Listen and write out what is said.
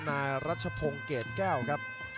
นายรัชพงศ์เกรดแก้วครับ